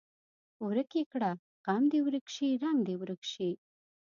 ورک یې کړه غم دې ورک شي رنګ دې یې ورک شي.